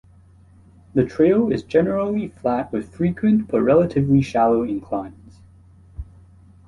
The trail is generally flat with frequent but relatively shallow inclines.